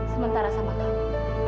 sementara sama kamu